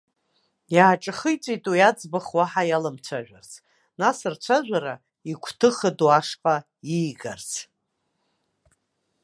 Иааҿахиҵәеит уи аӡбахә уаҳа иаламцәажәарц, нас рцәажәара игәҭыха ду ашҟа ииаигарц.